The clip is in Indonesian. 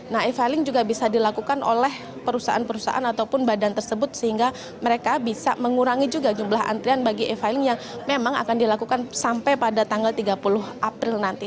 nah e filing juga bisa dilakukan oleh perusahaan perusahaan ataupun badan tersebut sehingga mereka bisa mengurangi juga jumlah antrian bagi e filing yang memang akan dilakukan sampai pada tanggal tiga puluh april nanti